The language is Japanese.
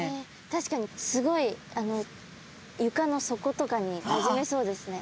確かにスゴいゆかの底とかになじめそうですね。